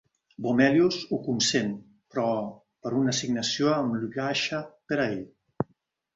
Bomelius ho consent, però per una assignació amb Lyubasha per a ell.